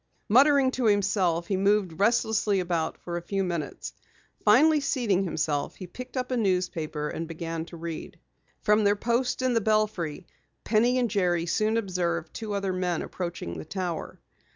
Muttering to himself, he moved restlessly about for a few minutes. Finally seating himself, he picked up a newspaper and began to read. From their post in the belfry, Penny and Jerry soon observed two other men approaching the tower.